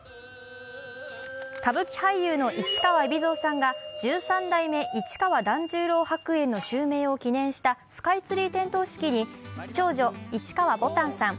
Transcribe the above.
歌舞伎俳優の市川海老蔵さんが十三代目市川團十郎白猿の襲名を記念したスカイツリー点灯式に、長女・市川ぼたんさん